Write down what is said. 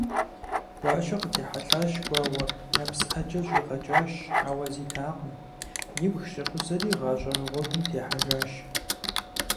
Гуащэ къытехьэлъащ гуауэр, нэпс Ӏэджэ щӀигъэкӀащ, ауэ зитакъым, – ибг щӀикъузэри гъащӀэ гъуэгум техьэжащ.